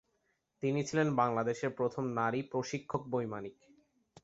তিনি ছিলেন বাংলাদেশের প্রথম নারী প্রশিক্ষক বৈমানিক।